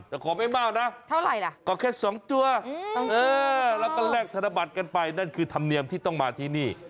แต่ขอไม่มากนะแค่๒ตัวและก็แรกตากลับไปต้องมาที่นี่